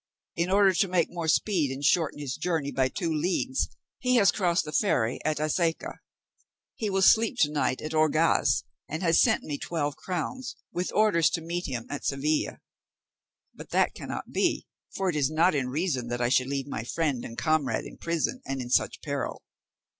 In order to make more speed and shorten his journey by two leagues, he has crossed the ferry at Aceca; he will sleep to night at Orgaz, and has sent me twelve crowns, with orders to meet him at Seville. But that cannot be, for it is not in reason that I should leave my friend and comrade in prison and in such peril.